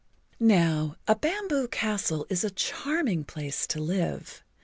Now, a Bamboo Castle is a charming place to live.